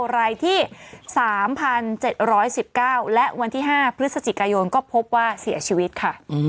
รายที่๓๗๑๙และวันที่๕พฤศจิกายนก็พบว่าเสียชีวิตค่ะ